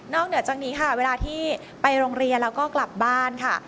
เหนือจากนี้ค่ะเวลาที่ไปโรงเรียนแล้วก็กลับบ้านค่ะ